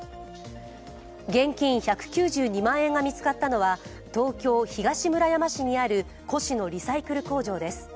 現金１９２万円が見つかったのは東京・東村山市にある古紙のリサイクル工場です。